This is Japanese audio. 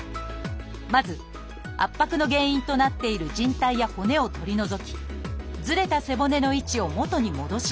まず圧迫の原因となっているじん帯や骨を取り除きずれた背骨の位置を元に戻します。